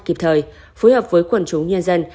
kịp thời phối hợp với quần chúng nhân dân